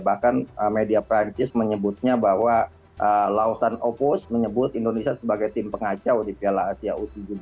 bahkan media perancis menyebutnya bahwa laosan opus menyebut indonesia sebagai tim pengacau di piala asia u dua puluh tiga